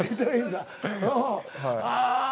ああ。